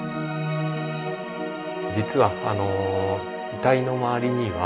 実は遺体の周りには